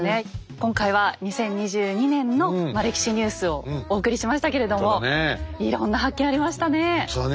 今回は２０２２年の歴史ニュースをお送りしましたけれどもいろんな発見ありましたね。